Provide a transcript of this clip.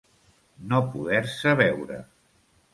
No poder-se veure.